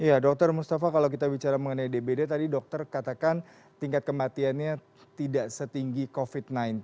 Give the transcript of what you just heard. ya dokter mustafa kalau kita bicara mengenai dbd tadi dokter katakan tingkat kematiannya tidak setinggi covid sembilan belas